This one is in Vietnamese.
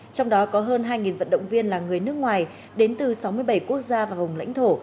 trong đó có hơn hai vận động viên là người nước ngoài đến từ sáu mươi bảy quốc gia và vùng lãnh thổ